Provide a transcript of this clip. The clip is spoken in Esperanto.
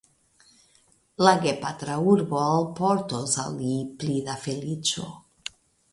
La gepatra urbo alportos al li pli da feliĉo.